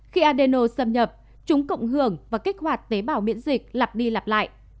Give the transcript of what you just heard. khi adeno xâm nhập chúng cộng hưởng và kích hoạt tế bào miễn dịch lặp đi lặp lại